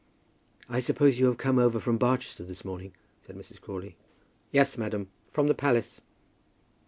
"I suppose you have come over from Barchester this morning?" said Mrs. Crawley. "Yes, madam, from the palace."